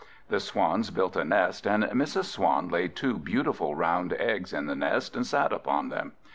The Swans built a nest, and Mrs. Swan laid two beautiful round eggs in the nest, and sat upon them.